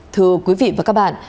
thưa quý vị và các bạn